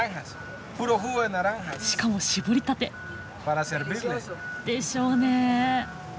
しかも搾りたて！でしょうね。